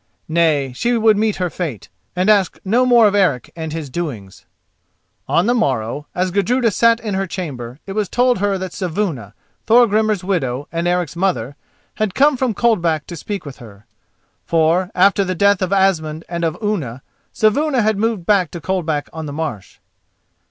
Nay, she would meet her fate, and ask no more of Eric and his doings. On the morrow, as Gudruda sat in her chamber, it was told her that Saevuna, Thorgrimur's widow and Eric's mother, had come from Coldback to speak with her. For, after the death of Asmund and of Unna, Saevuna had moved back to Coldback on the Marsh.